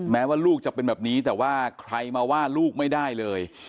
แม้ว่าลูกจะเป็นแบบนี้แต่ว่าใครมาว่าลูกไม่ได้เลย